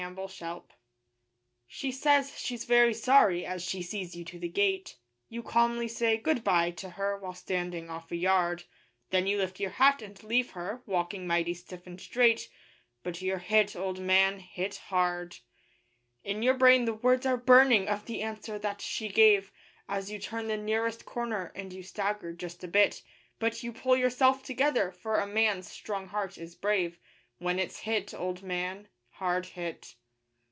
REJECTED She says she's very sorry, as she sees you to the gate; You calmly say 'Good bye' to her while standing off a yard, Then you lift your hat and leave her, walking mighty stiff and straight But you're hit, old man hit hard. In your brain the words are burning of the answer that she gave, As you turn the nearest corner and you stagger just a bit; But you pull yourself together, for a man's strong heart is brave When it's hit, old man hard hit.